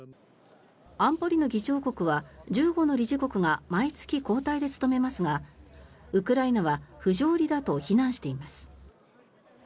安保理の議長国は１５の理事国が毎月交代で務めますがウクライナは不条理だと非難しています。